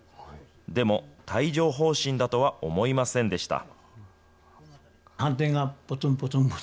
でも、帯状ほう疹だとは思いませんでした。